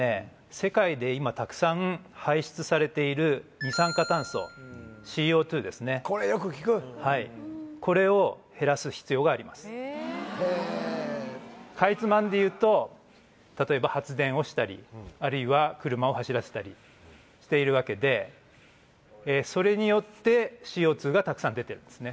世界で今たくさん排出されている二酸化炭素ＣＯ２ですねこれよく聞くこれを減らす必要がありますへえかいつまんで言うと例えば発電をしたりあるいは車を走らせたりしているわけでそれによってＣＯ２がたくさん出てるんですね